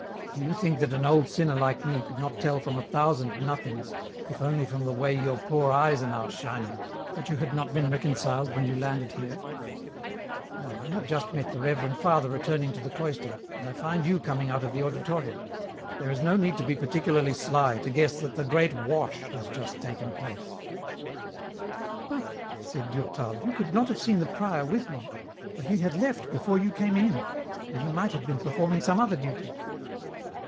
" Do you think that an old sinner like me could not tell from a thousand nothings, if only from the way your poor eyes are now shining, that you had not been reconciled when you landed here ? Now I have just met the reverend father returning to the cloister, and I find you coming out of the auditorium ; there is no need to be particularly sly to guess that the great wash has just taken place." "But," said Durtal, "you could not have seen the prior with me, for he had left before you came in, and he might have oeen performing some other duty."